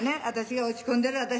私が落ち込んでる